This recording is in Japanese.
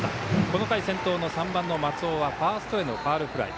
この回先頭の３番、松尾はファーストへのファウルフライ。